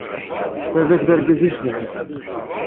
Baba-k d argaz i icebḥen.